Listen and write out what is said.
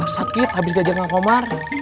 sakit habis diajar kang komar